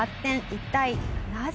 一体なぜ？